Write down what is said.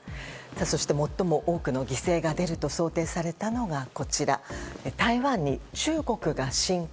そして、最も多くの犠牲が出ると想定されたのが台湾に中国が侵攻。